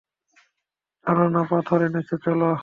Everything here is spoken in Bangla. টানানা পাথর এনেছে, চলো।